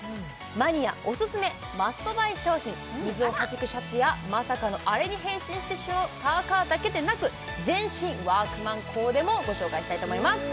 マニアオススメマストバイ商品水をはじくシャツやまさかのアレに変身してしまうパーカーだけでなく全身ワークマンコーデもご紹介したいと思います